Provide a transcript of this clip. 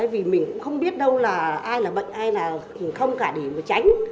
vì mình cũng không biết đâu là ai là bệnh ai là không cả để mà tránh